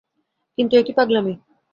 কিন্তু এ কী পাগলামি!